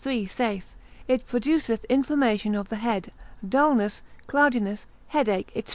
3, saith, It produceth inflammation of the head, dullness, cloudiness, headache, &c.